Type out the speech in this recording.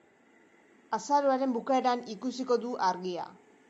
Azaroaren bukaeran ikusiko du argia.